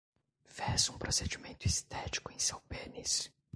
Fez um procedimento estético em seu pênis